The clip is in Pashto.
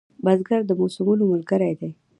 بزګر د موسمونو ملګری دی